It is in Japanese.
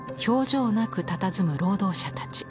情なくたたずむ労働者たち。